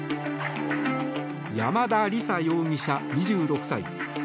山田李沙容疑者、２６歳。